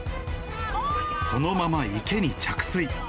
そのまま池に着水。